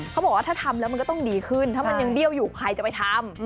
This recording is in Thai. เขาบอกว่าถ้าทำแล้วมันก็ต้องดีขึ้นถ้ามันยังเบี้ยวอยู่ใครจะไปทำ